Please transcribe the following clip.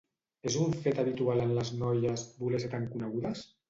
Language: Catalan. És un fet habitual en les noies, voler ser tan conegudes?